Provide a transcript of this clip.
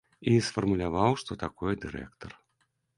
І сфармуляваў, што такое дырэктар.